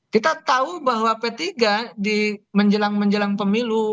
kita tahu bahwa p tiga di menjelang menjelang pemilu